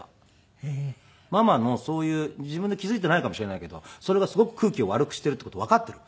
「ママのそういう自分で気付いてないかもしれないけどそれがすごく空気を悪くしているっていう事わかってる？」